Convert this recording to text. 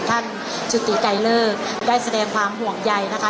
ท่านจุติไกเลอร์ได้แสดงความห่วงใหญ่นะคะ